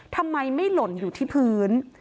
ทำไมไม่หล่นอยู่ที่พื้น